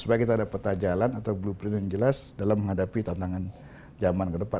supaya kita ada peta jalan atau blueprint yang jelas dalam menghadapi tantangan zaman ke depan